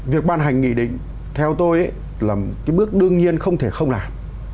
việc ban hành nghị định theo tôi là một cái bước đương nhiên không thể không làm